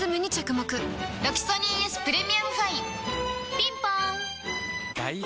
ピンポーン